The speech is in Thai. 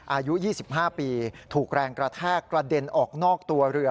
อายุ๒๕ปีถูกแรงกระแทกกระเด็นออกนอกตัวเรือ